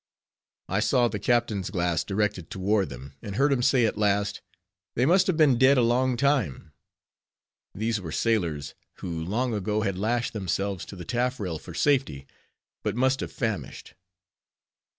I saw the captain's, glass directed toward them, and heard him say at last, "They must have been dead a long time." These were sailors, who long ago had lashed themselves to the taffrail for safety; but must have famished.